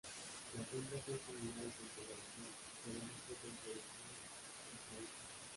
Las hembras son similares en coloración, pero no poseen proyección cefálica.